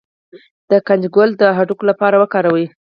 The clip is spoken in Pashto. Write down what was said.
د کنجد ګل د هډوکو لپاره وکاروئ